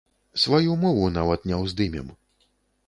Сваю мову нават не ўздымем.